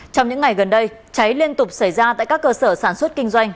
trong những ngày gần đây cháy liên tục xảy ra tại các cơ sở sản xuất kinh doanh